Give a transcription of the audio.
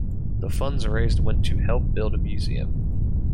The funds raised went to help build a museum.